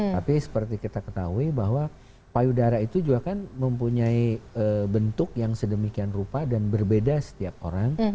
tapi seperti kita ketahui bahwa payudara itu juga kan mempunyai bentuk yang sedemikian rupa dan berbeda setiap orang